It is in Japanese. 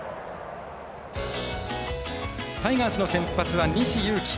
タイガースの先発は西勇輝。